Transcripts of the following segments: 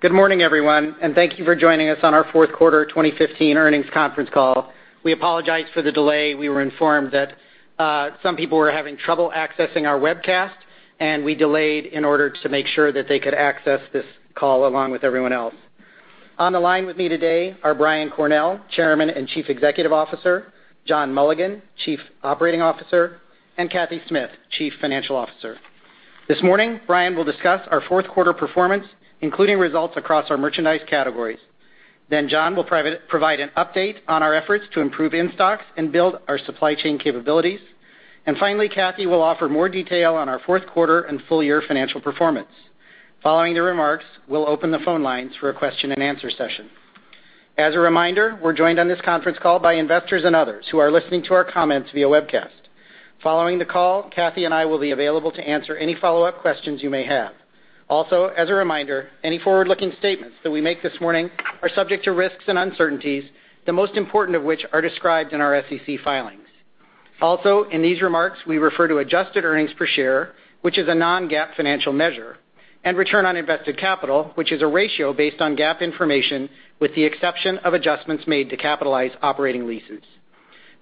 Good morning, everyone. Thank you for joining us on our fourth quarter 2015 earnings conference call. We apologize for the delay. We were informed that some people were having trouble accessing our webcast, and we delayed in order to make sure that they could access this call along with everyone else. On the line with me today are Brian Cornell, Chairman and Chief Executive Officer, John Mulligan, Chief Operating Officer, and Cathy Smith, Chief Financial Officer. This morning, Brian will discuss our fourth quarter performance, including results across our merchandise categories. John will provide an update on our efforts to improve in-stocks and build our supply chain capabilities. Finally, Cathy will offer more detail on our fourth quarter and full-year financial performance. Following the remarks, we'll open the phone lines for a question and answer session. As a reminder, we're joined on this conference call by investors and others who are listening to our comments via webcast. Following the call, Cathy and I will be available to answer any follow-up questions you may have. As a reminder, any forward-looking statements that we make this morning are subject to risks and uncertainties, the most important of which are described in our SEC filings. In these remarks, we refer to adjusted earnings per share, which is a non-GAAP financial measure, and return on invested capital, which is a ratio based on GAAP information with the exception of adjustments made to capitalize operating leases.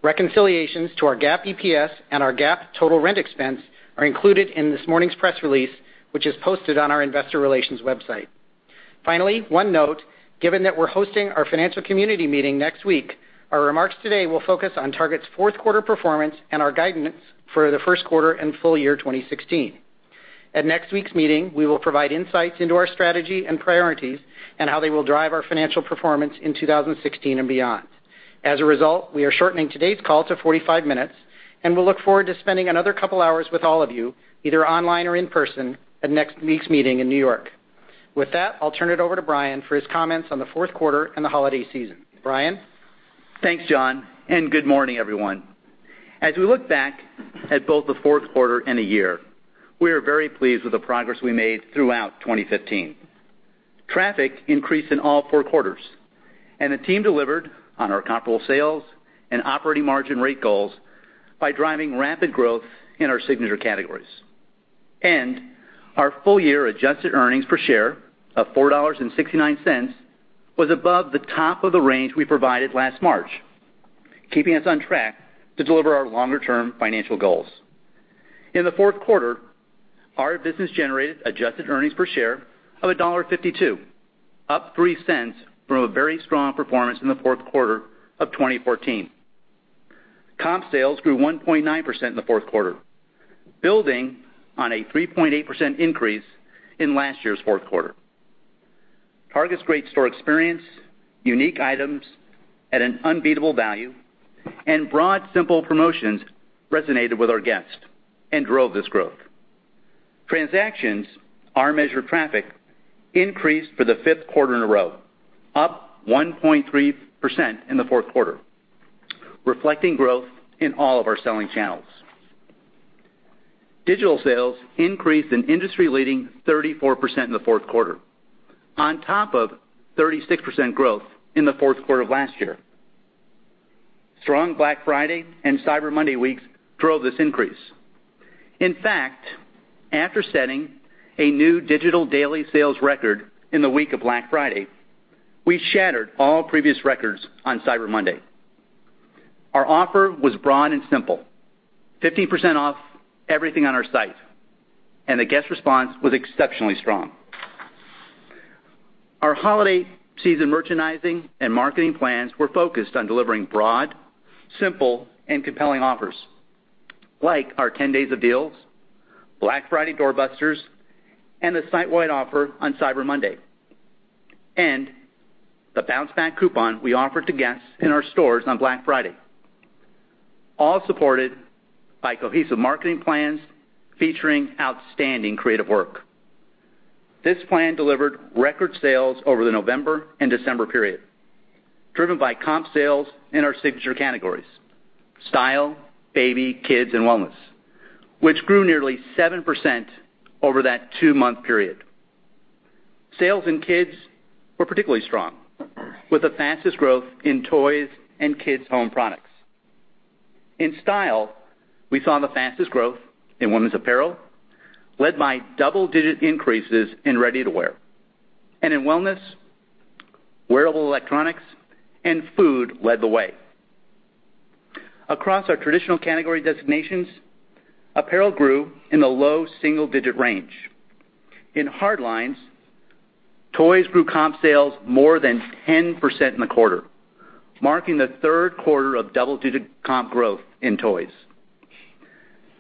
Reconciliations to our GAAP EPS and our GAAP total rent expense are included in this morning's press release, which is posted on our investor relations website. Finally, one note, given that we're hosting our financial community meeting next week, our remarks today will focus on Target's fourth quarter performance and our guidance for the first quarter and full year 2016. At next week's meeting, we will provide insights into our strategy and priorities and how they will drive our financial performance in 2016 and beyond. As a result, we are shortening today's call to 45 minutes, and we'll look forward to spending another couple of hours with all of you, either online or in person, at next week's meeting in New York. With that, I'll turn it over to Brian for his comments on the fourth quarter and the holiday season. Brian? Thanks, John. Good morning, everyone. As we look back at both the fourth quarter and the year, we are very pleased with the progress we made throughout 2015. Traffic increased in all four quarters, and the team delivered on our comparable sales and operating margin rate goals by driving rapid growth in our signature categories. Our full-year adjusted earnings per share of $4.69 was above the top of the range we provided last March, keeping us on track to deliver our longer-term financial goals. In the fourth quarter, our business generated adjusted earnings per share of $1.52, up $0.03 from a very strong performance in the fourth quarter of 2014. Comp sales grew 1.9% in the fourth quarter, building on a 3.8% increase in last year's fourth quarter. Target's great store experience, unique items at an unbeatable value, and broad, simple promotions resonated with our guests and drove this growth. Transactions, our measure of traffic, increased for the fifth quarter in a row, up 1.3% in the fourth quarter, reflecting growth in all of our selling channels. Digital sales increased an industry-leading 34% in the fourth quarter, on top of 36% growth in the fourth quarter of last year. Strong Black Friday and Cyber Monday weeks drove this increase. In fact, after setting a new digital daily sales record in the week of Black Friday, we shattered all previous records on Cyber Monday. Our offer was broad and simple, 15% off everything on our site, the guest response was exceptionally strong. Our holiday season merchandising and marketing plans were focused on delivering broad, simple, and compelling offers, like our 10 days of deals, Black Friday doorbusters, a site-wide offer on Cyber Monday, and the bounce-back coupon we offered to guests in our stores on Black Friday, all supported by cohesive marketing plans featuring outstanding creative work. This plan delivered record sales over the November and December period, driven by comp sales in our signature categories: style, baby, kids, and wellness, which grew nearly 7% over that two-month period. Sales in kids were particularly strong, with the fastest growth in toys and kids' home products. In style, we saw the fastest growth in women's apparel, led by double-digit increases in ready-to-wear. In wellness, wearable electronics and food led the way. Across our traditional category designations, apparel grew in the low single-digit range. In hard lines, toys grew comp sales more than 10% in the quarter, marking the third quarter of double-digit comp growth in toys.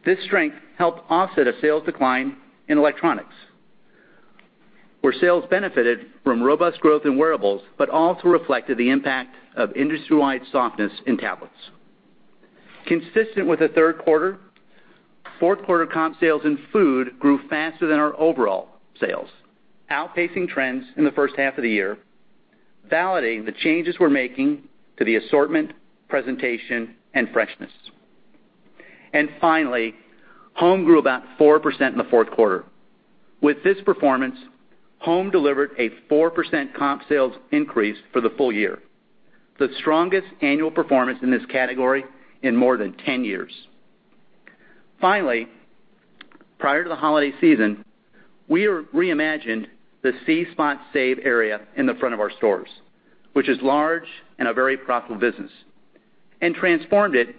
This strength helped offset a sales decline in electronics, where sales benefited from robust growth in wearables but also reflected the impact of industry-wide softness in tablets. Consistent with the third quarter, fourth quarter comp sales in food grew faster than our overall sales, outpacing trends in the first half of the year, validating the changes we're making to the assortment, presentation, and freshness. Finally, home grew about 4% in the fourth quarter. With this performance, home delivered a 4% comp sales increase for the full year, the strongest annual performance in this category in more than 10 years. Finally, prior to the holiday season, we reimagined the See Spot Save area in the front of our stores, which is large and a very profitable business, and transformed it into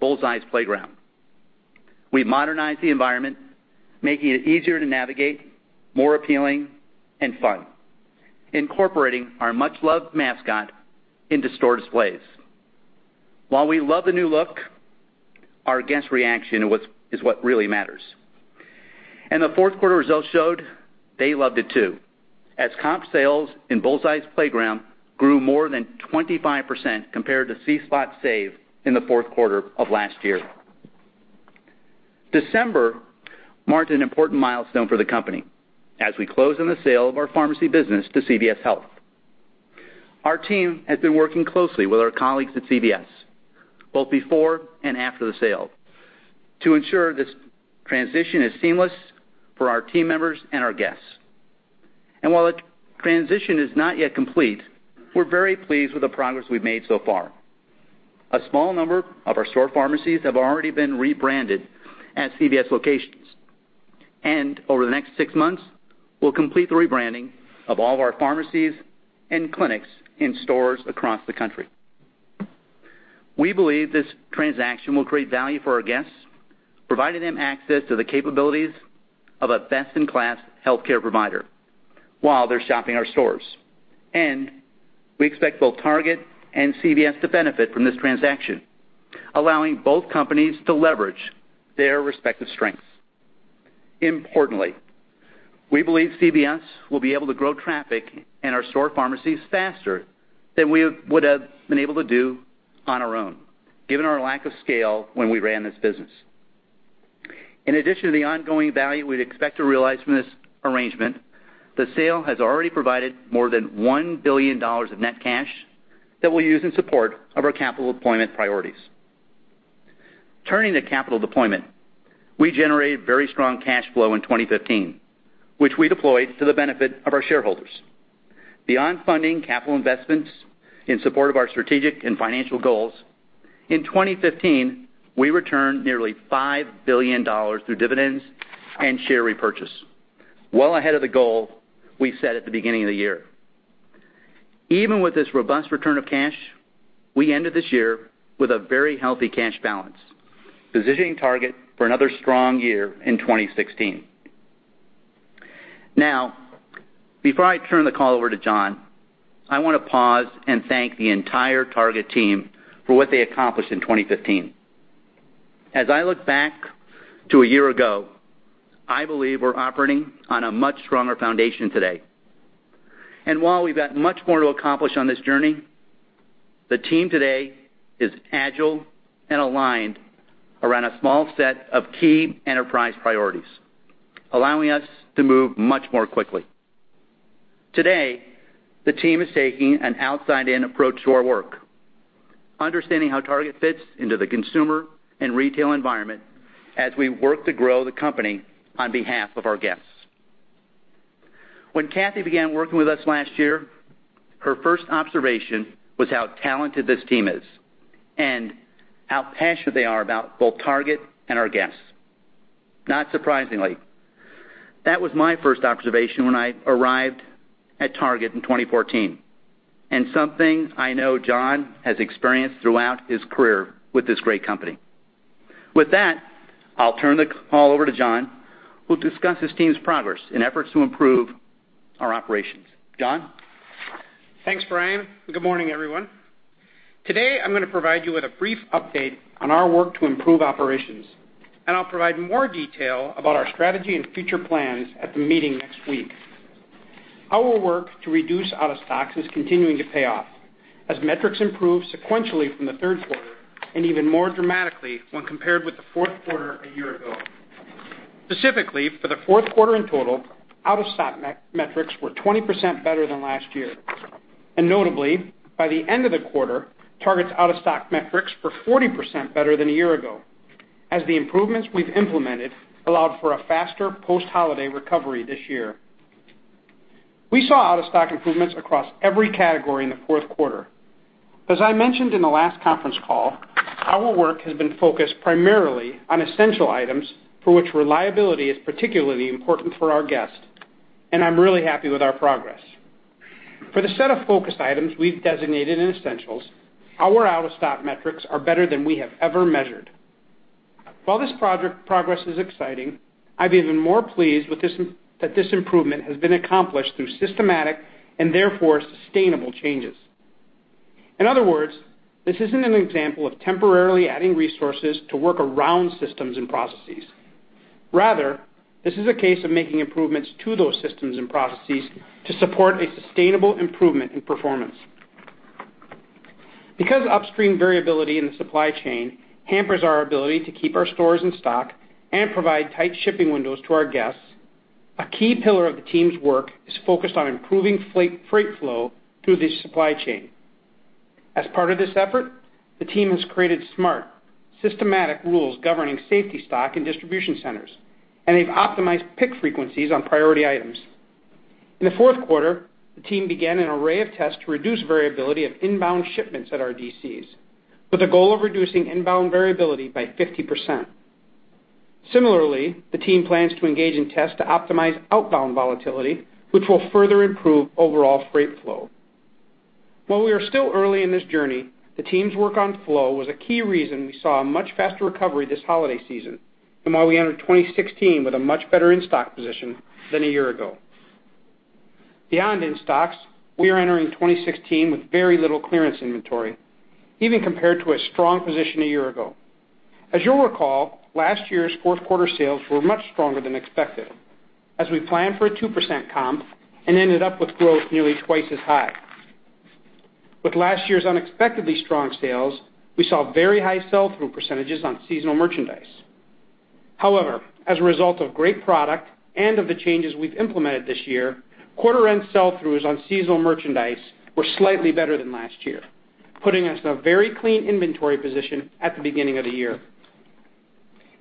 Bullseye's Playground. We modernized the environment, making it easier to navigate, more appealing, and fun, incorporating our much-loved mascot into store displays. While we love the new look, our guests' reaction is what really matters. The fourth quarter results showed they loved it too, as comp sales in Bullseye's Playground grew more than 25% compared to See Spot Save in the fourth quarter of last year. December marked an important milestone for the company as we closed on the sale of our pharmacy business to CVS Health. Our team has been working closely with our colleagues at CVS, both before and after the sale, to ensure this transition is seamless for our team members and our guests. While the transition is not yet complete, we're very pleased with the progress we've made so far. A small number of our store pharmacies have already been rebranded as CVS locations, and over the next six months, we'll complete the rebranding of all of our pharmacies and clinics in stores across the country. We believe this transaction will create value for our guests, providing them access to the capabilities of a best-in-class healthcare provider while they're shopping our stores. We expect both Target and CVS to benefit from this transaction, allowing both companies to leverage their respective strengths. Importantly, we believe CVS will be able to grow traffic in our store pharmacies faster than we would have been able to do on our own, given our lack of scale when we ran this business. In addition to the ongoing value we'd expect to realize from this arrangement, the sale has already provided more than $1 billion of net cash that we'll use in support of our capital deployment priorities. Turning to capital deployment, we generated very strong cash flow in 2015, which we deployed to the benefit of our shareholders. Beyond funding capital investments in support of our strategic and financial goals, in 2015, we returned nearly $5 billion through dividends and share repurchase, well ahead of the goal we set at the beginning of the year. Even with this robust return of cash, we ended this year with a very healthy cash balance, positioning Target for another strong year in 2016. Now, before I turn the call over to John, I want to pause and thank the entire Target team for what they accomplished in 2015. As I look back to a year ago, I believe we're operating on a much stronger foundation today. While we've got much more to accomplish on this journey, the team today is agile and aligned around a small set of key enterprise priorities, allowing us to move much more quickly. Today, the team is taking an outside-in approach to our work, understanding how Target fits into the consumer and retail environment as we work to grow the company on behalf of our guests. When Cathy began working with us last year, her first observation was how talented this team is and how passionate they are about both Target and our guests. Not surprisingly, that was my first observation when I arrived at Target in 2014, and something I know John has experienced throughout his career with this great company. With that, I'll turn the call over to John, who'll discuss his team's progress and efforts to improve our operations. John? Thanks, Brian. Good morning, everyone. Today, I'm going to provide you with a brief update on our work to improve operations, and I'll provide more detail about our strategy and future plans at the meeting next week. Our work to reduce out-of-stocks is continuing to pay off as metrics improve sequentially from the third quarter, and even more dramatically when compared with the fourth quarter a year ago. Specifically, for the fourth quarter in total, out-of-stock metrics were 20% better than last year. Notably, by the end of the quarter, Target's out-of-stock metrics were 40% better than a year ago, as the improvements we've implemented allowed for a faster post-holiday recovery this year. We saw out-of-stock improvements across every category in the fourth quarter. As I mentioned in the last conference call, our work has been focused primarily on essential items for which reliability is particularly important for our guests, and I'm really happy with our progress. For the set of focused items we've designated in essentials, our out-of-stock metrics are better than we have ever measured. While this progress is exciting, I'm even more pleased that this improvement has been accomplished through systematic and therefore sustainable changes. In other words, this isn't an example of temporarily adding resources to work around systems and processes. Rather, this is a case of making improvements to those systems and processes to support a sustainable improvement in performance. Because upstream variability in the supply chain hampers our ability to keep our stores in stock and provide tight shipping windows to our guests, a key pillar of the team's work is focused on improving freight flow through the supply chain. As part of this effort, the team has created smart, systematic rules governing safety stock in distribution centers, and they've optimized pick frequencies on priority items. In the fourth quarter, the team began an array of tests to reduce variability of inbound shipments at our DCs, with a goal of reducing inbound variability by 50%. Similarly, the team plans to engage in tests to optimize outbound volatility, which will further improve overall freight flow. While we are still early in this journey, the team's work on flow was a key reason we saw a much faster recovery this holiday season, and why we entered 2016 with a much better in-stock position than a year ago. Beyond in-stocks, we are entering 2016 with very little clearance inventory, even compared to a strong position a year ago. As you'll recall, last year's fourth quarter sales were much stronger than expected, as we planned for a 2% comp and ended up with growth nearly twice as high. With last year's unexpectedly strong sales, we saw very high sell-through percentages on seasonal merchandise. However, as a result of great product and of the changes we've implemented this year, quarter-end sell-throughs on seasonal merchandise were slightly better than last year, putting us in a very clean inventory position at the beginning of the year.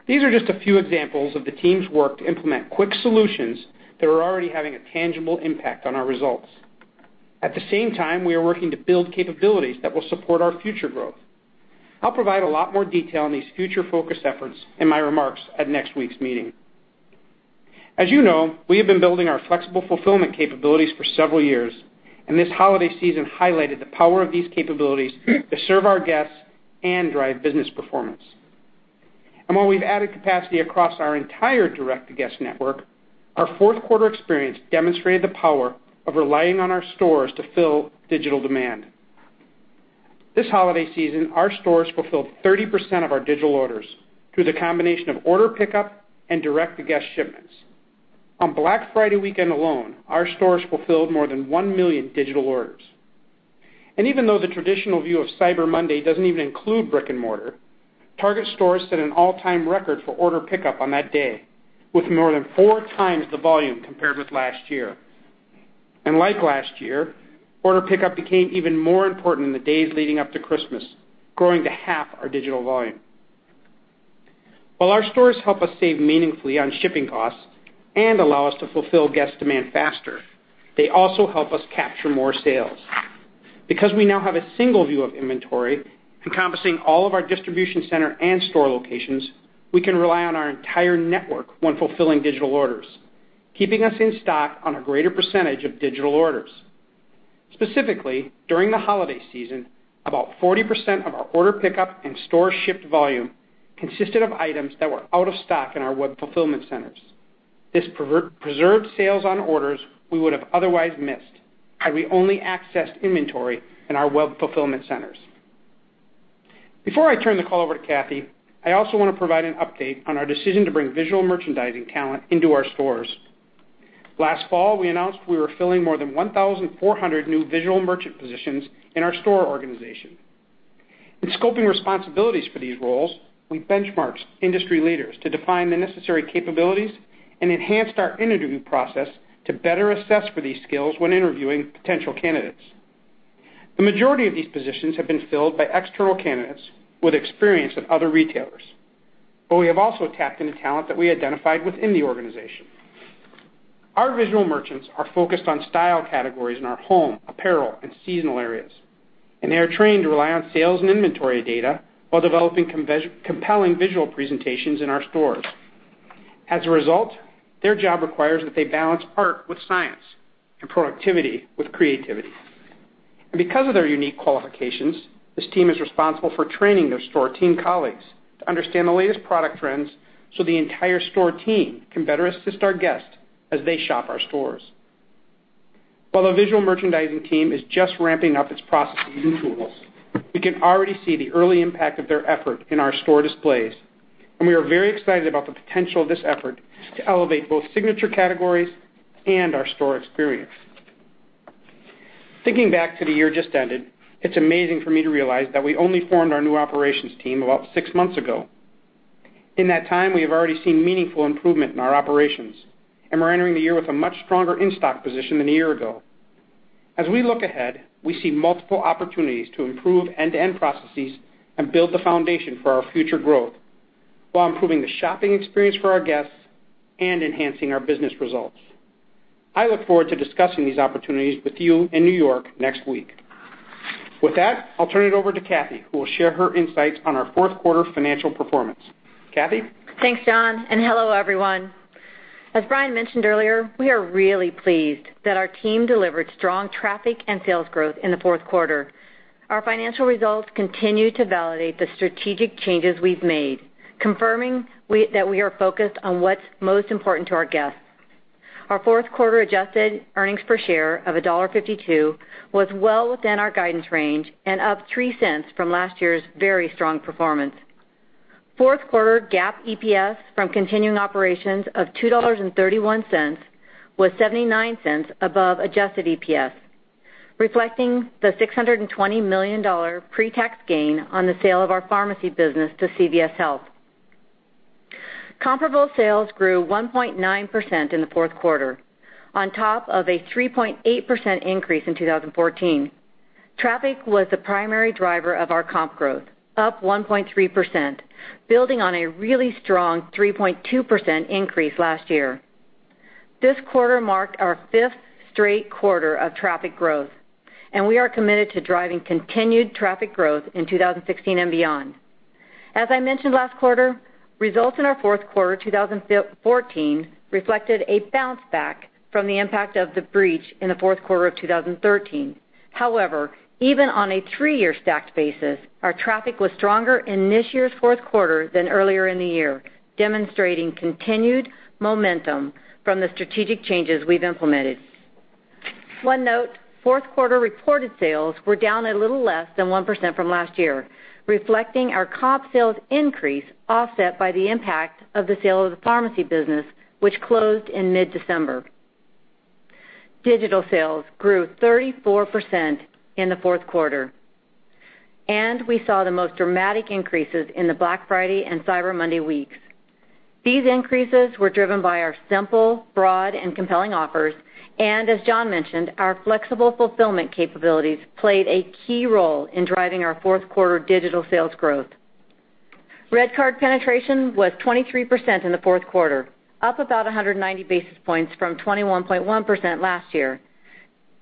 These are just a few examples of the team's work to implement quick solutions that are already having a tangible impact on our results. At the same time, we are working to build capabilities that will support our future growth. I'll provide a lot more detail on these future-focused efforts in my remarks at next week's meeting. As you know, we have been building our flexible fulfillment capabilities for several years, and this holiday season highlighted the power of these capabilities to serve our guests and drive business performance. While we've added capacity across our entire direct-to-guest network, our fourth quarter experience demonstrated the power of relying on our stores to fill digital demand. This holiday season, our stores fulfilled 30% of our digital orders through the combination of order pickup and direct-to-guest shipments. On Black Friday weekend alone, our stores fulfilled more than 1 million digital orders. Even though the traditional view of Cyber Monday doesn't even include brick-and-mortar, Target stores set an all-time record for order pickup on that day, with more than four times the volume compared with last year. Like last year, order pickup became even more important in the days leading up to Christmas, growing to half our digital volume. While our stores help us save meaningfully on shipping costs and allow us to fulfill guest demand faster, they also help us capture more sales. Because we now have a single view of inventory encompassing all of our distribution center and store locations, we can rely on our entire network when fulfilling digital orders, keeping us in stock on a greater percentage of digital orders. Specifically, during the holiday season, about 40% of our order pickup and store-shipped volume consisted of items that were out of stock in our web fulfillment centers. This preserved sales on orders we would have otherwise missed had we only accessed inventory in our web fulfillment centers. Before I turn the call over to Cathy, I also want to provide an update on our decision to bring visual merchandising talent into our stores. Last fall, we announced we were filling more than 1,400 new visual merchant positions in our store organization. In scoping responsibilities for these roles, we benchmarked industry leaders to define the necessary capabilities and enhanced our interview process to better assess for these skills when interviewing potential candidates. The majority of these positions have been filled by external candidates with experience at other retailers, but we have also tapped into talent that we identified within the organization. Our visual merchants are focused on style categories in our home, apparel, and seasonal areas, they are trained to rely on sales and inventory data while developing compelling visual presentations in our stores. As a result, their job requires that they balance art with science and productivity with creativity. Because of their unique qualifications, this team is responsible for training their store team colleagues to understand the latest product trends so the entire store team can better assist our guests as they shop our stores. While the visual merchandising team is just ramping up its processes and tools, we can already see the early impact of their effort in our store displays, we are very excited about the potential of this effort to elevate both signature categories and our store experience. Thinking back to the year just ended, it's amazing for me to realize that we only formed our new operations team about six months ago. In that time, we have already seen meaningful improvement in our operations, and we're entering the year with a much stronger in-stock position than a year ago. As we look ahead, we see multiple opportunities to improve end-to-end processes and build the foundation for our future growth while improving the shopping experience for our guests and enhancing our business results. I look forward to discussing these opportunities with you in New York next week. With that, I'll turn it over to Cathy, who will share her insights on our fourth quarter financial performance. Cathy? Thanks, John, and hello, everyone. As Brian mentioned earlier, we are really pleased that our team delivered strong traffic and sales growth in the fourth quarter. Our financial results continue to validate the strategic changes we've made, confirming that we are focused on what's most important to our guests. Our fourth quarter adjusted earnings per share of $1.52 was well within our guidance range and up $0.03 from last year's very strong performance. Fourth quarter GAAP EPS from continuing operations of $2.31 was $0.79 above adjusted EPS, reflecting the $620 million pre-tax gain on the sale of our pharmacy business to CVS Health. Comparable sales grew 1.9% in the fourth quarter, on top of a 3.8% increase in 2014. Traffic was the primary driver of our comp growth, up 1.3%, building on a really strong 3.2% increase last year. This quarter marked our fifth straight quarter of traffic growth, and we are committed to driving continued traffic growth in 2016 and beyond. As I mentioned last quarter, results in our fourth quarter 2014 reflected a bounce back from the impact of the breach in the fourth quarter of 2013. However, even on a three-year stacked basis, our traffic was stronger in this year's fourth quarter than earlier in the year, demonstrating continued momentum from the strategic changes we've implemented. One note, fourth quarter reported sales were down a little less than 1% from last year, reflecting our comp sales increase, offset by the impact of the sale of the pharmacy business, which closed in mid-December. Digital sales grew 34% in the fourth quarter. We saw the most dramatic increases in the Black Friday and Cyber Monday weeks. These increases were driven by our simple, broad, and compelling offers, as John mentioned, our flexible fulfillment capabilities played a key role in driving our fourth quarter digital sales growth. Target REDcard penetration was 23% in the fourth quarter, up about 190 basis points from 21.1% last year.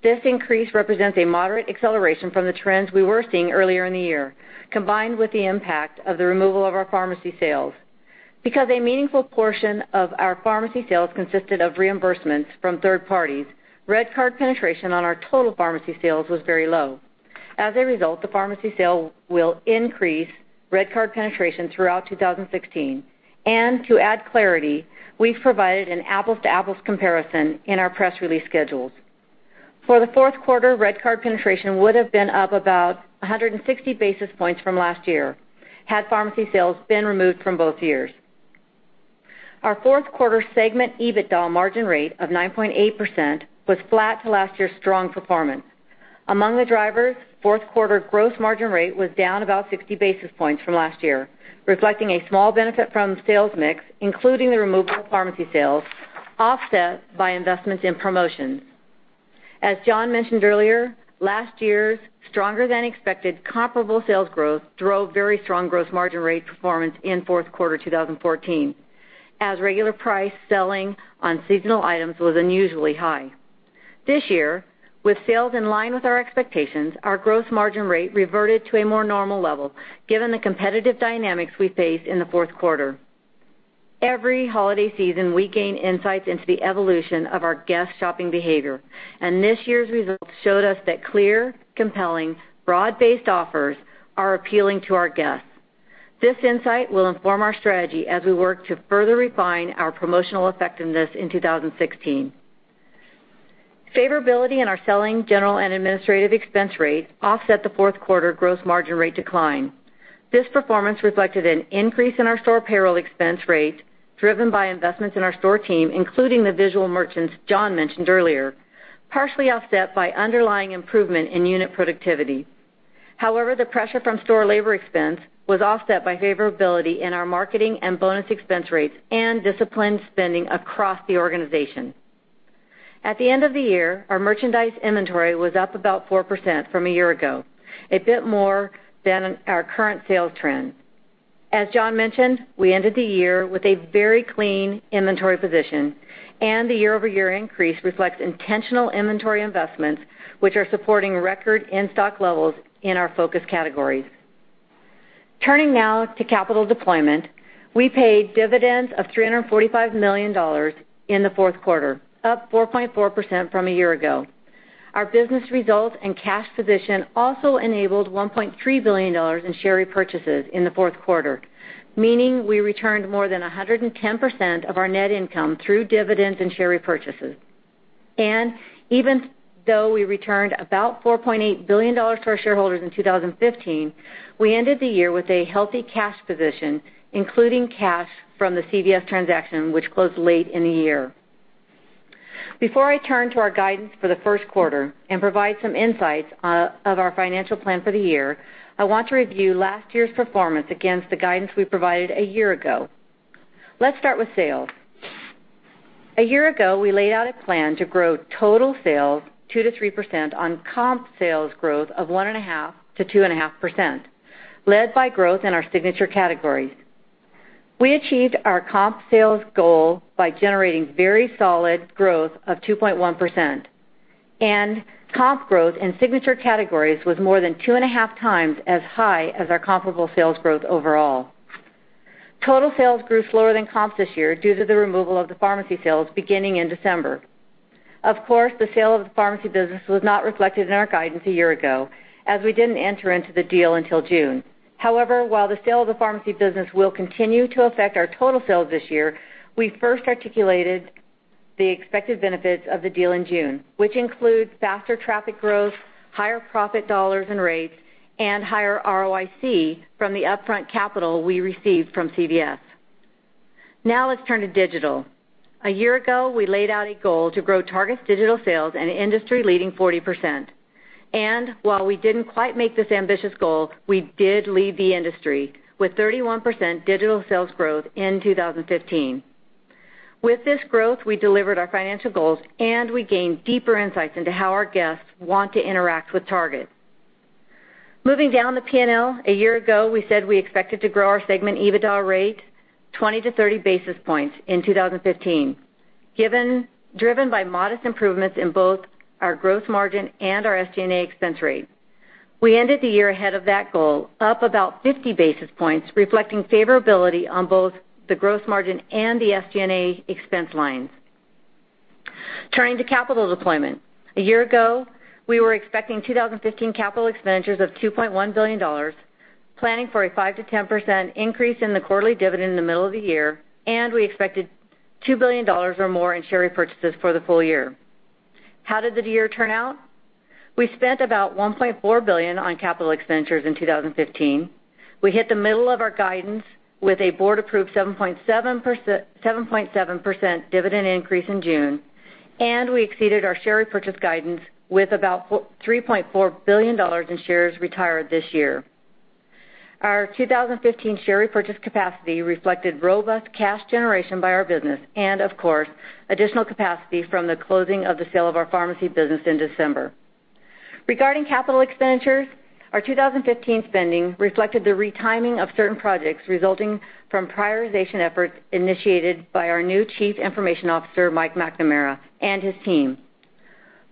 This increase represents a moderate acceleration from the trends we were seeing earlier in the year, combined with the impact of the removal of our pharmacy sales. Because a meaningful portion of our pharmacy sales consisted of reimbursements from third parties, Target REDcard penetration on our total pharmacy sales was very low. As a result, the pharmacy sale will increase Target REDcard penetration throughout 2016. To add clarity, we've provided an apples-to-apples comparison in our press release schedules. For the fourth quarter, Target REDcard penetration would have been up about 160 basis points from last year had pharmacy sales been removed from both years. Our fourth quarter segment EBITDA margin rate of 9.8% was flat to last year's strong performance. Among the drivers, fourth quarter gross margin rate was down about 60 basis points from last year, reflecting a small benefit from sales mix, including the removal of pharmacy sales, offset by investments in promotions. As John mentioned earlier, last year's stronger-than-expected comparable sales growth drove very strong gross margin rate performance in fourth quarter 2014, as regular price selling on seasonal items was unusually high. This year, with sales in line with our expectations, our gross margin rate reverted to a more normal level, given the competitive dynamics we faced in the fourth quarter. Every holiday season, we gain insights into the evolution of our guest shopping behavior. This year's results showed us that clear, compelling, broad-based offers are appealing to our guests. This insight will inform our strategy as we work to further refine our promotional effectiveness in 2016. Favorability in our selling, general, and administrative expense rate offset the fourth quarter gross margin rate decline. This performance reflected an increase in our store payroll expense rate, driven by investments in our store team, including the visual merchants John mentioned earlier, partially offset by underlying improvement in unit productivity. However, the pressure from store labor expense was offset by favorability in our marketing and bonus expense rates and disciplined spending across the organization. At the end of the year, our merchandise inventory was up about 4% from a year ago, a bit more than our current sales trends. As John mentioned, we ended the year with a very clean inventory position, and the year-over-year increase reflects intentional inventory investments, which are supporting record in-stock levels in our focus categories. Turning now to capital deployment. We paid dividends of $345 million in the fourth quarter, up 4.4% from a year ago. Our business results and cash position also enabled $1.3 billion in share repurchases in the fourth quarter, meaning we returned more than 110% of our net income through dividends and share repurchases. Even though we returned about $4.8 billion to our shareholders in 2015, we ended the year with a healthy cash position, including cash from the CVS transaction, which closed late in the year. Before I turn to our guidance for the first quarter and provide some insights of our financial plan for the year, I want to review last year's performance against the guidance we provided a year ago. Let's start with sales. A year ago, we laid out a plan to grow total sales 2%-3% on comp sales growth of 1.5%-2.5%, led by growth in our signature categories. We achieved our comp sales goal by generating very solid growth of 2.1%. Comp growth in signature categories was more than 2.5 times as high as our comparable sales growth overall. Total sales grew slower than comps this year due to the removal of the pharmacy sales beginning in December. Of course, the sale of the pharmacy business was not reflected in our guidance a year ago, as we didn't enter into the deal until June. While the sale of the pharmacy business will continue to affect our total sales this year, we first articulated the expected benefits of the deal in June, which include faster traffic growth, higher profit dollars and rates, and higher ROIC from the upfront capital we received from CVS. Let's turn to digital. A year ago, we laid out a goal to grow Target's digital sales an industry-leading 40%. While we didn't quite make this ambitious goal, we did lead the industry with 31% digital sales growth in 2015. With this growth, we delivered our financial goals, and we gained deeper insights into how our guests want to interact with Target. Moving down the P&L, a year ago, we said we expected to grow our segment EBITDA rate 20 to 30 basis points in 2015, driven by modest improvements in both our gross margin and our SG&A expense rate. We ended the year ahead of that goal, up about 50 basis points, reflecting favorability on both the gross margin and the SG&A expense lines. Turning to capital deployment. A year ago, we were expecting 2015 capital expenditures of $2.1 billion, planning for a 5%-10% increase in the quarterly dividend in the middle of the year, and we expected $2 billion or more in share repurchases for the full year. How did the year turn out? We spent about $1.4 billion on capital expenditures in 2015. We hit the middle of our guidance with a board-approved 7.7% dividend increase in June, we exceeded our share repurchase guidance with about $3.4 billion in shares retired this year. Our 2015 share repurchase capacity reflected robust cash generation by our business and, of course, additional capacity from the closing of the sale of our pharmacy business in December. Regarding capital expenditures, our 2015 spending reflected the retiming of certain projects resulting from prioritization efforts initiated by our new Chief Information Officer, Mike McNamara, and his team.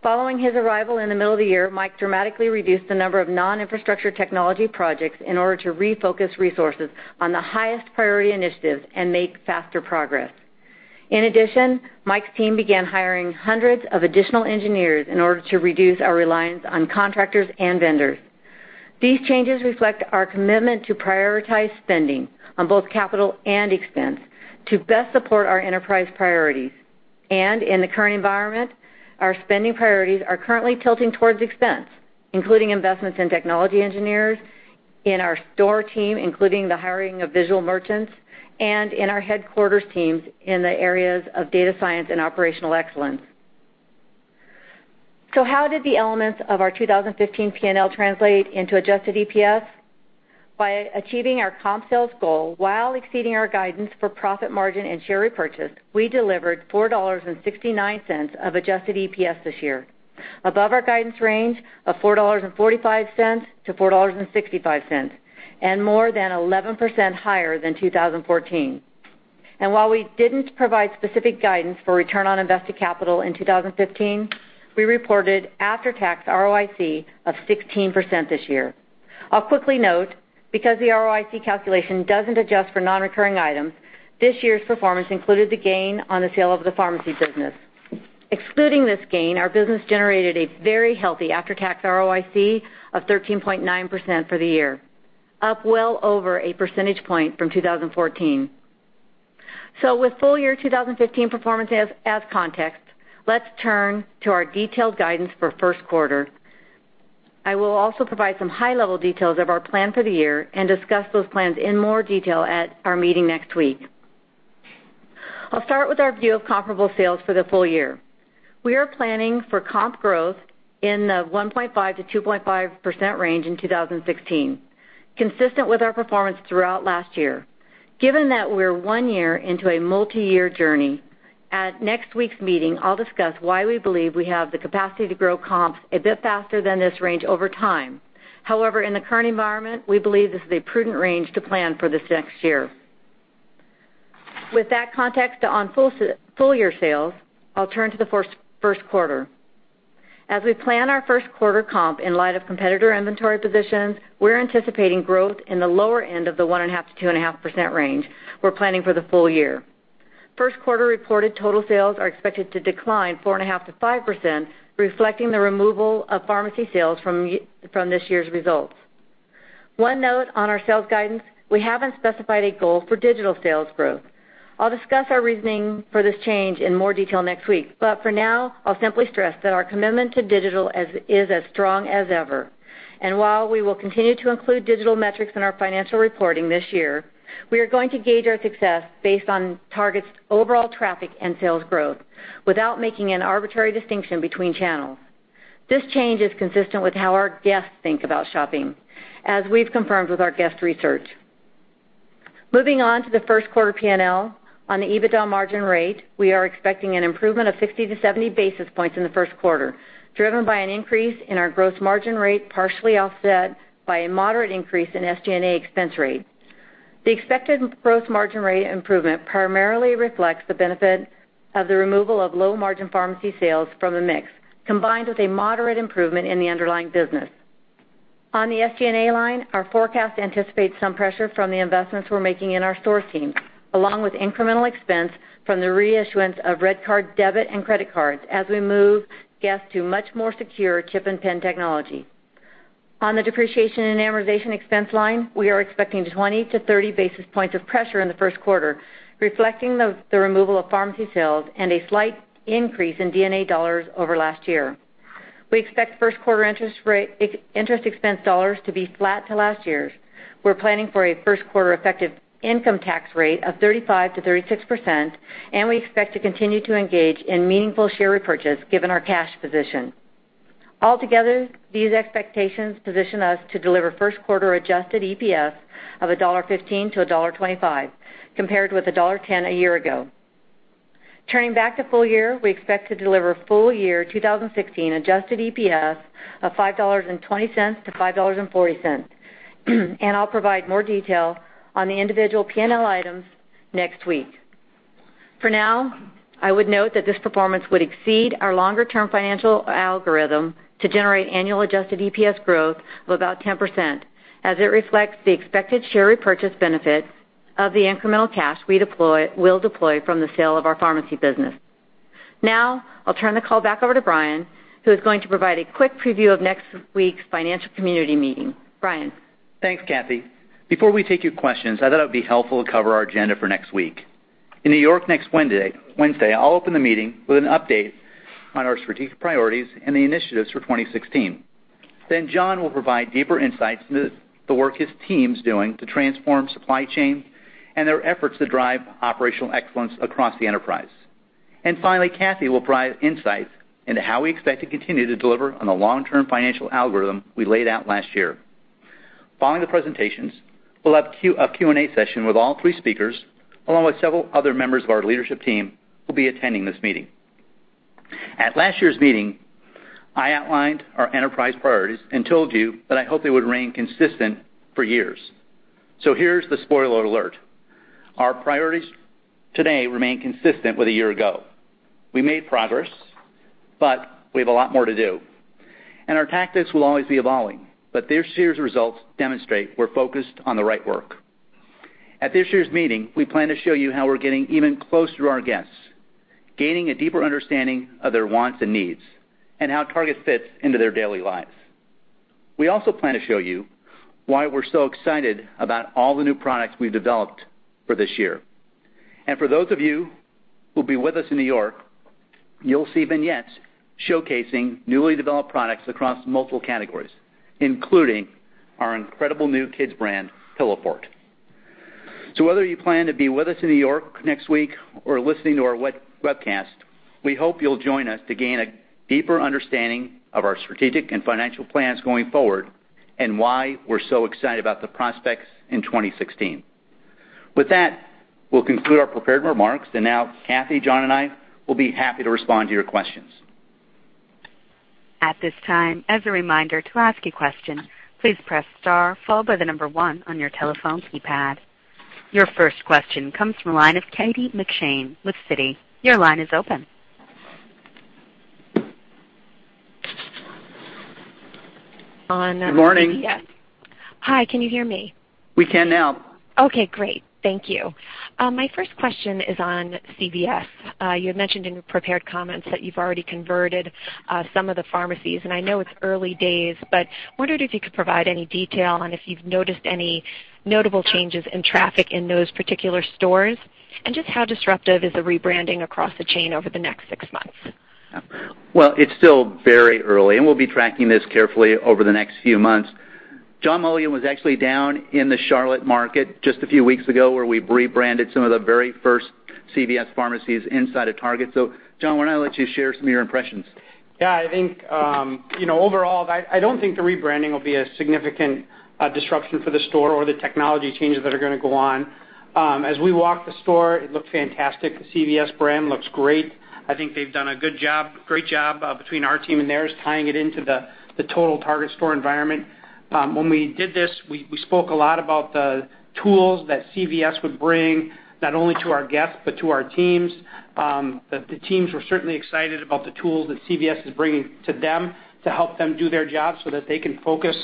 Following his arrival in the middle of the year, Mike dramatically reduced the number of non-infrastructure technology projects in order to refocus resources on the highest priority initiatives and make faster progress. In addition, Mike's team began hiring hundreds of additional engineers in order to reduce our reliance on contractors and vendors. These changes reflect our commitment to prioritize spending on both capital and expense to best support our enterprise priorities. In the current environment, our spending priorities are currently tilting towards expense, including investments in technology engineers, in our store team, including the hiring of visual merchants, and in our headquarters teams in the areas of data science and operational excellence. How did the elements of our 2015 P&L translate into adjusted EPS? By achieving our comp sales goal while exceeding our guidance for profit margin and share repurchase, we delivered $4.69 of adjusted EPS this year, above our guidance range of $4.45-$4.65, and more than 11% higher than 2014. While we didn't provide specific guidance for return on invested capital in 2015, we reported after-tax ROIC of 16% this year. I'll quickly note, because the ROIC calculation doesn't adjust for non-recurring items, this year's performance included the gain on the sale of the pharmacy business. Excluding this gain, our business generated a very healthy after-tax ROIC of 13.9% for the year, up well over a percentage point from 2014. With full-year 2015 performance as context, let's turn to our detailed guidance for first quarter. I will also provide some high-level details of our plan for the year and discuss those plans in more detail at our meeting next week. I'll start with our view of comparable sales for the full year. We are planning for comp growth in the 1.5%-2.5% range in 2016, consistent with our performance throughout last year. Given that we're one year into a multiyear journey, at next week's meeting, I'll discuss why we believe we have the capacity to grow comps a bit faster than this range over time. However, in the current environment, we believe this is a prudent range to plan for this next year. With that context on full-year sales, I'll turn to the first quarter. As we plan our first quarter comp in light of competitor inventory positions, we're anticipating growth in the lower end of the 1.5%-2.5% range we're planning for the full year. First quarter reported total sales are expected to decline 4.5%-5%, reflecting the removal of pharmacy sales from this year's results. One note on our sales guidance, we haven't specified a goal for digital sales growth. I'll discuss our reasoning for this change in more detail next week. For now, I'll simply stress that our commitment to digital is as strong as ever. While we will continue to include digital metrics in our financial reporting this year, we are going to gauge our success based on Target's overall traffic and sales growth without making an arbitrary distinction between channels. This change is consistent with how our guests think about shopping, as we've confirmed with our guest research. Moving on to the first quarter P&L, on the EBITDA margin rate, we are expecting an improvement of 60 to 70 basis points in the first quarter, driven by an increase in our gross margin rate, partially offset by a moderate increase in SG&A expense rate. The expected gross margin rate improvement primarily reflects the benefit of the removal of low-margin pharmacy sales from the mix, combined with a moderate improvement in the underlying business. On the SG&A line, our forecast anticipates some pressure from the investments we're making in our store team, along with incremental expense from the reissuance of Target REDcard debit and credit cards as we move guests to much more secure chip-and-PIN technology. On the depreciation and amortization expense line, we are expecting 20 to 30 basis points of pressure in the first quarter, reflecting the removal of pharmacy sales and a slight increase in D&A dollars over last year. We expect first quarter interest expense dollars to be flat to last year's. We're planning for a first quarter effective income tax rate of 35%-36%, and we expect to continue to engage in meaningful share repurchase given our cash position. Altogether, these expectations position us to deliver first quarter adjusted EPS of $1.15-$1.25, compared with $1.10 a year ago. Turning back to full year, we expect to deliver full year 2016 adjusted EPS of $5.20 to $5.40. I'll provide more detail on the individual P&L items next week. For now, I would note that this performance would exceed our longer-term financial algorithm to generate annual adjusted EPS growth of about 10%, as it reflects the expected share repurchase benefit of the incremental cash we'll deploy from the sale of our pharmacy business. I'll turn the call back over to Brian, who is going to provide a quick preview of next week's financial community meeting. Brian? Thanks, Cathy. Before we take your questions, I thought it would be helpful to cover our agenda for next week. In New York next Wednesday, I'll open the meeting with an update on our strategic priorities and the initiatives for 2016. John will provide deeper insights into the work his team's doing to transform supply chain and their efforts to drive operational excellence across the enterprise. Finally, Cathy will provide insights into how we expect to continue to deliver on the long-term financial algorithm we laid out last year. Following the presentations, we'll have a Q&A session with all three speakers, along with several other members of our leadership team who will be attending this meeting. At last year's meeting, I outlined our enterprise priorities and told you that I hope they would remain consistent for years. Here's the spoiler alert. Our priorities today remain consistent with a year ago. We made progress, but we have a lot more to do. Our tactics will always be evolving, but this year's results demonstrate we're focused on the right work. At this year's meeting, we plan to show you how we're getting even closer to our guests, gaining a deeper understanding of their wants and needs, and how Target fits into their daily lives. We also plan to show you why we're so excited about all the new products we've developed for this year. For those of you who'll be with us in New York, you'll see vignettes showcasing newly developed products across multiple categories, including our incredible new kids brand, Pillowfort. Whether you plan to be with us in New York next week or listening to our webcast, we hope you'll join us to gain a deeper understanding of our strategic and financial plans going forward and why we're so excited about the prospects in 2016. With that, we'll conclude our prepared remarks. Now, Cathy, John, and I will be happy to respond to your questions. At this time, as a reminder, to ask a question, please press star, followed by the number 1 on your telephone keypad. Your first question comes from the line of Kate McShane with Citi. Your line is open. Good morning. Hi, can you hear me? We can now. Okay, great. Thank you. My first question is on CVS. You had mentioned in your prepared comments that you've already converted some of the pharmacies, and I know it's early days, but wondered if you could provide any detail on if you've noticed any notable changes in traffic in those particular stores, and just how disruptive is the rebranding across the chain over the next six months? Well, it's still very early, and we'll be tracking this carefully over the next few months. John Mulligan was actually down in the Charlotte market just a few weeks ago, where we rebranded some of the very first CVS pharmacies inside a Target. John, why don't I let you share some of your impressions? Yeah, I think, overall, I don't think the rebranding will be a significant disruption for the store or the technology changes that are going to go on. As we walked the store, it looked fantastic. The CVS brand looks great. I think they've done a good job, great job between our team and theirs, tying it into the total Target store environment. When we did this, we spoke a lot about the tools that CVS would bring, not only to our guests, but to our teams. The teams were certainly excited about the tools that CVS is bringing to them to help them do their jobs so that they can focus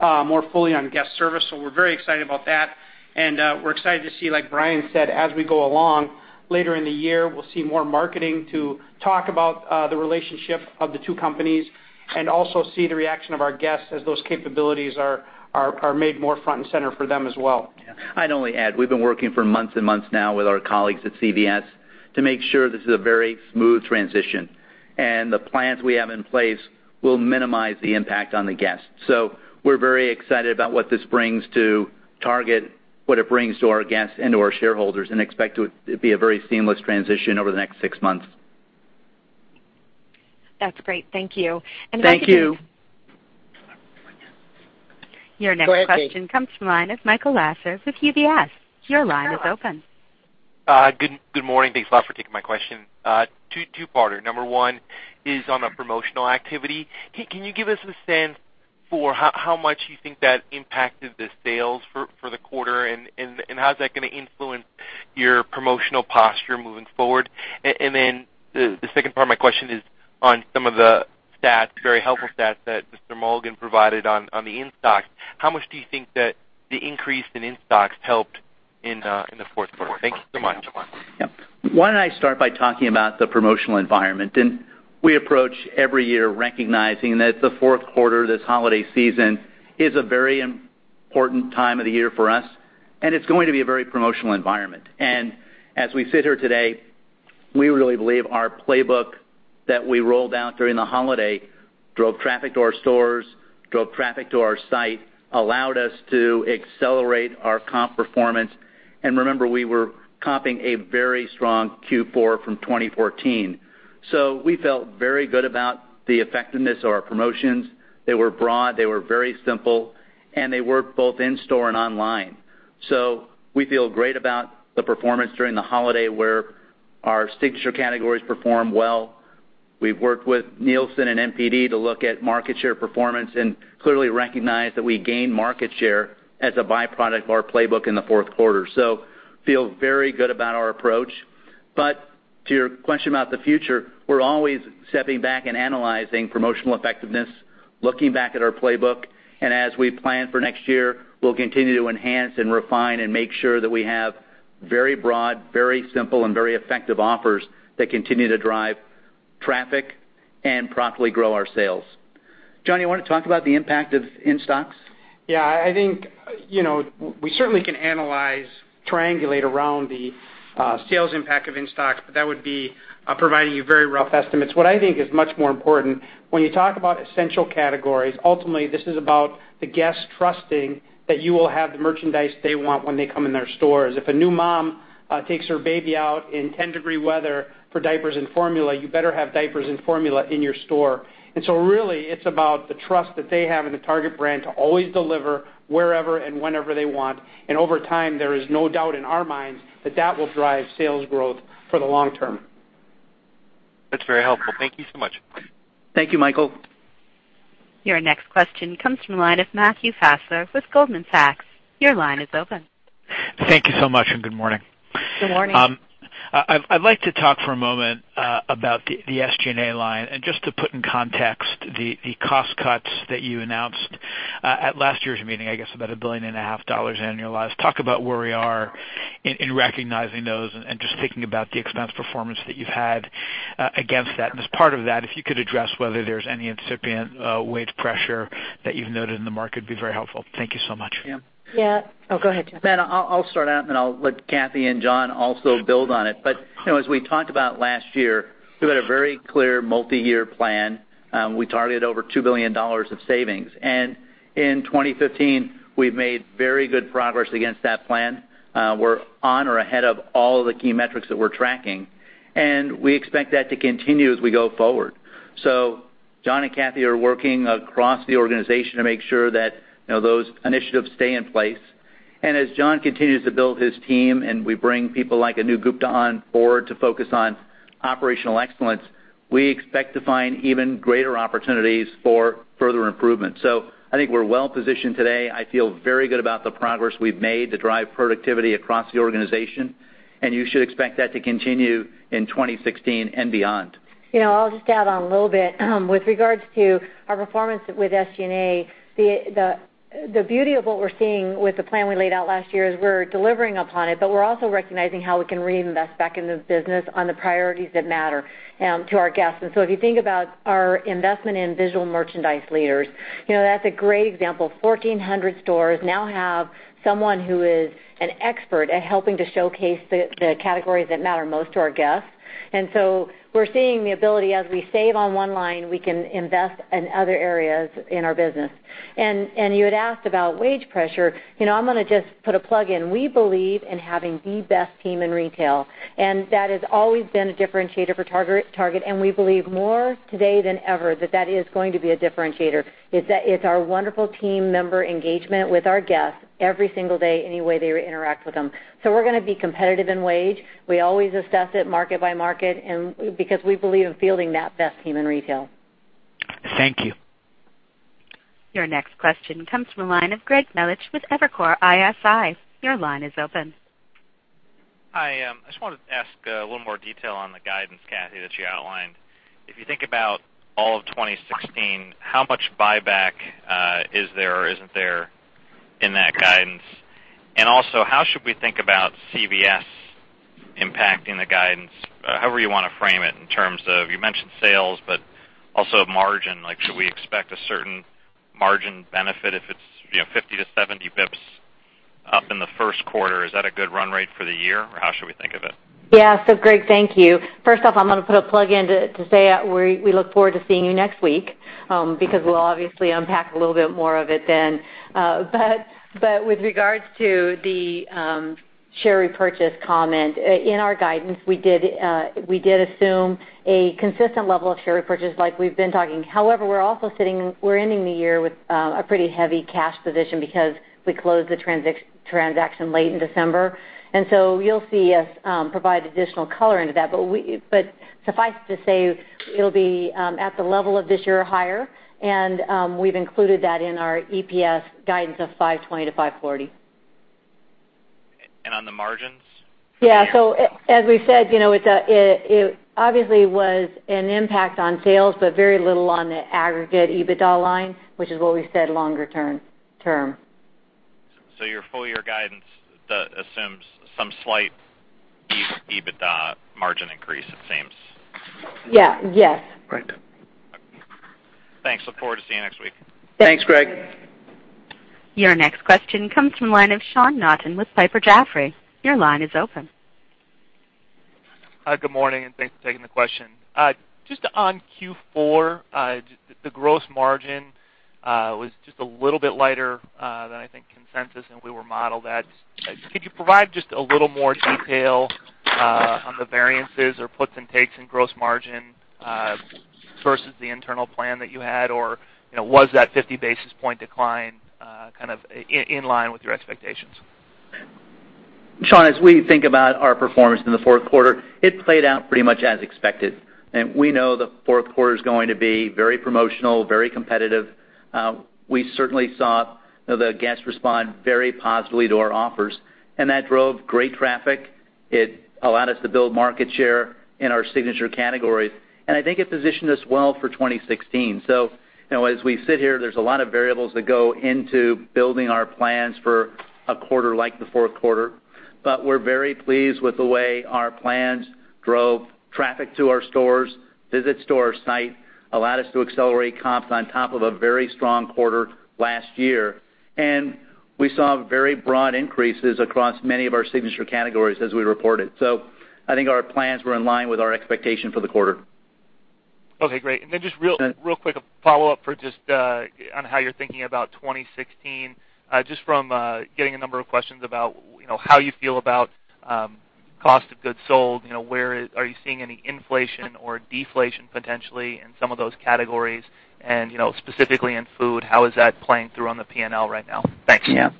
more fully on guest service. We're very excited about that. We're excited to see, like Brian said, as we go along, later in the year, we'll see more marketing to talk about the relationship of the two companies and also see the reaction of our guests as those capabilities are made more front and center for them as well. I'd only add, we've been working for months and months now with our colleagues at CVS to make sure this is a very smooth transition. The plans we have in place will minimize the impact on the guests. We're very excited about what this brings to Target, what it brings to our guests and to our shareholders, and expect it to be a very seamless transition over the next six months. That's great. Thank you. Thank you. Your next question comes from the line of Michael Lasser with UBS. Your line is open. Good morning. Thanks a lot for taking my question. Two-parter. Number one is on a promotional activity. Can you give us a sense for how much you think that impacted the sales for the quarter, and how's that going to influence your promotional posture moving forward? The second part of my question is on some of the stats, very helpful stats, that John Mulligan provided on the in-stocks. How much do you think that the increase in in-stocks helped in the fourth quarter? Thank you so much. Why don't I start by talking about the promotional environment? We approach every year recognizing that the fourth quarter, this holiday season, is a very important time of the year for us, and it's going to be a very promotional environment. As we sit here today, we really believe our playbook that we rolled out during the holiday drove traffic to our stores, drove traffic to our site, allowed us to accelerate our comp performance. Remember, we were comping a very strong Q4 from 2014. We felt very good about the effectiveness of our promotions. They were broad, they were very simple, and they worked both in-store and online. We feel great about the performance during the holiday, where our signature categories performed well. We've worked with Nielsen and NPD to look at market share performance and clearly recognize that we gained market share as a byproduct of our playbook in the fourth quarter. Feel very good about our approach. To your question about the future, we're always stepping back and analyzing promotional effectiveness, looking back at our playbook. As we plan for next year, we'll continue to enhance and refine and make sure that we have very broad, very simple, and very effective offers that continue to drive traffic and profitably grow our sales. John, you want to talk about the impact of in-stocks? I think, we certainly can analyze, triangulate around the sales impact of in-stocks, but that would be providing you very rough estimates. What I think is much more important, when you talk about essential categories, ultimately, this is about the guest trusting that you will have the merchandise they want when they come in their stores. If a new mom takes her baby out in 10-degree weather for diapers and formula, you better have diapers and formula in your store. Really, it's about the trust that they have in the Target brand to always deliver wherever and whenever they want. Over time, there is no doubt in our minds that that will drive sales growth for the long term. That's very helpful. Thank you so much. Thank you, Michael. Your next question comes from the line of Matthew Fassler with Goldman Sachs. Your line is open. Thank you so much. Good morning. Good morning. I'd like to talk for a moment about the SG&A line and just to put in context the cost cuts that you announced at last year's meeting, I guess about $1.5 billion annualized. Talk about where we are in recognizing those and just thinking about the expense performance that you've had against that. As part of that, if you could address whether there's any incipient wage pressure that you've noted in the market, it'd be very helpful. Thank you so much. Yeah. Yeah. Oh, go ahead, John. Matt, I'll start out, and then I'll let Cathy and John also build on it. As we talked about last year, we've had a very clear multi-year plan. We targeted over $2 billion of savings. In 2015, we've made very good progress against that plan. We're on or ahead of all of the key metrics that we're tracking, and we expect that to continue as we go forward. John and Cathy are working across the organization to make sure that those initiatives stay in place. As John continues to build his team and we bring people like Anu Gupta on board to focus on operational excellence, we expect to find even greater opportunities for further improvement. I think we're well-positioned today. I feel very good about the progress we've made to drive productivity across the organization. You should expect that to continue in 2016 and beyond. I'll just add on a little bit. With regards to our performance with SG&A, the beauty of what we're seeing with the plan we laid out last year is we're delivering upon it. We're also recognizing how we can reinvest back in the business on the priorities that matter to our guests. If you think about our investment in visual merchandise leaders, that's a great example. 1,400 stores now have someone who is an expert at helping to showcase the categories that matter most to our guests. We're seeing the ability, as we save on one line, we can invest in other areas in our business. You had asked about wage pressure. I'm going to just put a plug in. We believe in having the best team in retail. That has always been a differentiator for Target. We believe more today than ever that that is going to be a differentiator, is that it's our wonderful team member engagement with our guests every single day, any way they interact with them. We're going to be competitive in wage. We always assess it market by market because we believe in fielding that best team in retail. Thank you. Your next question comes from the line of Greg Melich with Evercore ISI. Your line is open. Hi. I just wanted to ask a little more detail on the guidance, Cathy, that you outlined. If you think about all of 2016, how much buyback is there or isn't there in that guidance? How should we think about CVS impacting the guidance? However you want to frame it in terms of, you mentioned sales, but also margin. Should we expect a certain margin benefit if it's 50 to 70 basis points up in the first quarter? Is that a good run rate for the year? How should we think of it? Yeah. Greg, thank you. First off, I'm going to put a plug in to say that we look forward to seeing you next week, because we'll obviously unpack a little bit more of it then. With regards to the share repurchase comment, in our guidance, we did assume a consistent level of share repurchase like we've been talking. However, we're ending the year with a pretty heavy cash position because we closed the transaction late in December. You'll see us provide additional color into that. Suffice it to say, it'll be at the level of this year or higher, and we've included that in our EPS guidance of $5.20-$5.40. On the margins? Yeah. As we said, it obviously was an impact on sales, but very little on the aggregate EBITDA line, which is what we said longer term. Your full-year guidance assumes some slight EBITDA margin increase, it seems. Yes. Correct. Thanks. Look forward to seeing you next week. Thanks. Thanks, Greg. Your next question comes from the line of Sean Naughton with Piper Jaffray. Your line is open. Hi, good morning, and thanks for taking the question. Just on Q4, the gross margin was just a little bit lighter than I think consensus, and we were modeled that. Could you provide just a little more detail on the variances or puts and takes in gross margin versus the internal plan that you had, or was that 50 basis point decline kind of in line with your expectations? Sean, as we think about our performance in the fourth quarter, it played out pretty much as expected. We know the fourth quarter is going to be very promotional, very competitive. We certainly saw the guests respond very positively to our offers, and that drove great traffic. It allowed us to build market share in our signature categories, and I think it positioned us well for 2016. As we sit here, there's a lot of variables that go into building our plans for a quarter like the fourth quarter. We're very pleased with the way our plans drove traffic to our stores, visits to our site, allowed us to accelerate comps on top of a very strong quarter last year. We saw very broad increases across many of our signature categories as we reported. I think our plans were in line with our expectation for the quarter. Okay, great. Just real quick, a follow-up for just on how you're thinking about 2016, just from getting a number of questions about how you feel about cost of goods sold, are you seeing any inflation or deflation potentially in some of those categories and specifically in food, how is that playing through on the P&L right now? Thanks. Yeah.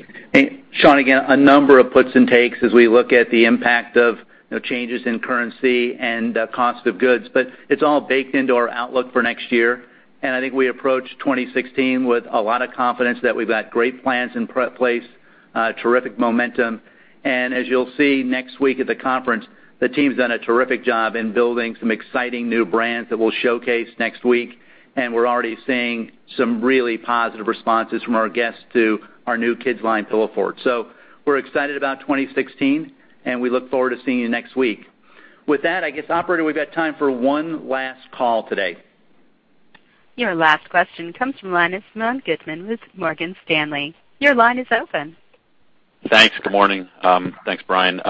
Sean, again, a number of puts and takes as we look at the impact of changes in currency and cost of goods, it's all baked into our outlook for next year. I think we approach 2016 with a lot of confidence that we've got great plans in place, terrific momentum. As you'll see next week at the conference, the team's done a terrific job in building some exciting new brands that we'll showcase next week, we're already seeing some really positive responses from our guests to our new kids line, Pillowfort. We're excited about 2016, and we look forward to seeing you next week. With that, I guess, operator, we've got time for one last call today. Your last question comes from the line of Simeon Gutman with Morgan Stanley. Your line is open. Thanks. Good morning. Thanks, Brian.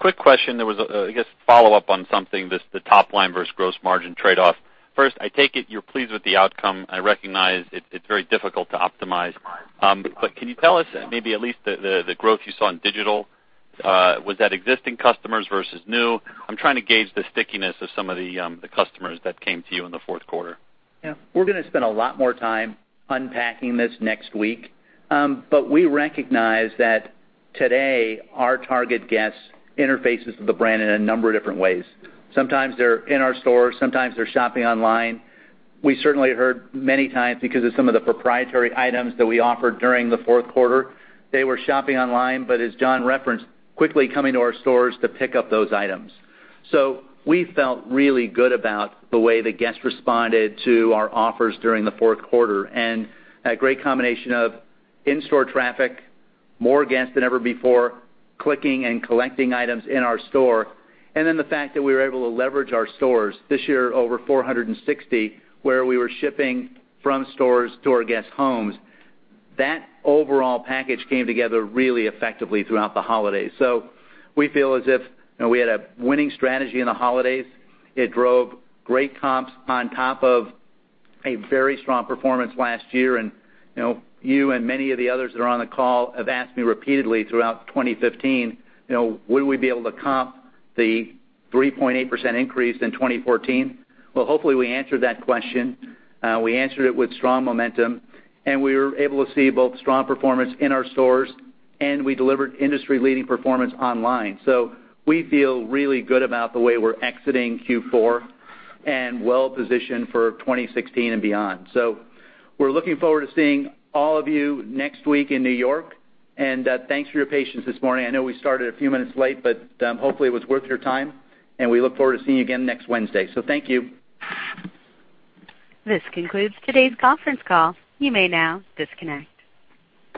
Quick question. There was a, I guess, follow-up on something, this, the top line versus gross margin trade-off. First, I take it you're pleased with the outcome. I recognize it's very difficult to optimize. Can you tell us maybe at least the growth you saw in digital? Was that existing customers versus new? I'm trying to gauge the stickiness of some of the customers that came to you in the fourth quarter. Yeah. We're going to spend a lot more time unpacking this next week. We recognize that today our Target guest interfaces with the brand in a number of different ways. Sometimes they're in our stores, sometimes they're shopping online. We certainly heard many times because of some of the proprietary items that we offered during the fourth quarter, they were shopping online, but as John referenced, quickly coming to our stores to pick up those items. We felt really good about the way the guests responded to our offers during the fourth quarter and a great combination of in-store traffic, more guests than ever before, clicking and collecting items in our store. The fact that we were able to leverage our stores this year over 460, where we were shipping from stores to our guests' homes. That overall package came together really effectively throughout the holidays. We feel as if we had a winning strategy in the holidays. It drove great comps on top of a very strong performance last year. You and many of the others that are on the call have asked me repeatedly throughout 2015, would we be able to comp the 3.8% increase in 2014? Well, hopefully, we answered that question. We answered it with strong momentum, and we were able to see both strong performance in our stores, and we delivered industry-leading performance online. We feel really good about the way we're exiting Q4 and well-positioned for 2016 and beyond. We're looking forward to seeing all of you next week in New York, and thanks for your patience this morning. I know we started a few minutes late, but hopefully it was worth your time, and we look forward to seeing you again next Wednesday. Thank you. This concludes today's conference call. You may now disconnect.